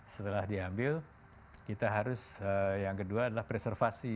setelah diambil kita harus yang kedua adalah preservasi